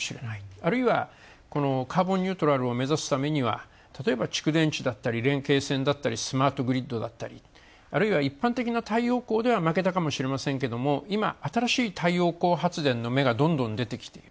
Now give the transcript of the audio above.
あるいは、カーボンニュートラルを目指すためにはたとえば蓄電池だったり連係線だったりスマートグリッドだったりあるいは一般的な太陽光では負けたかもしれませんけど、今、新しい太陽光発電の芽がどんどん出てきている。